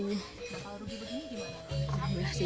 kalau rugi begini gimana